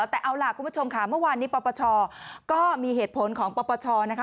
แต่เอาล่ะคุณผู้ชมค่ะเมื่อวานนี้ปปชก็มีเหตุผลของปปชนะคะ